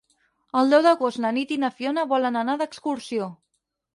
El deu d'agost na Nit i na Fiona volen anar d'excursió.